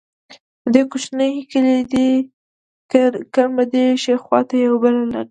د دې کوچنۍ ګنبدې ښی خوا ته یوه بله ګنبده ده.